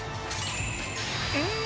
うん！